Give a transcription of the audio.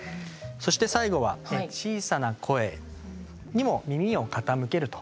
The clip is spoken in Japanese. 最後は小さな声にも耳を傾ける。